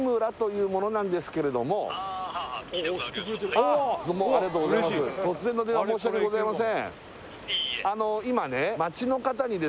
あの突然の電話申し訳ございません